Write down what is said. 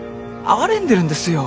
哀れんでるんですよ。